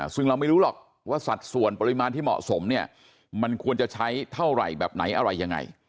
ซึ่งเราไม่รู้หรอกว่าสัดส่วนปริมาณที่เหมาะสมเนี่ยมันควรจะใช้เท่าไหร่แบบไหนอะไรยังไง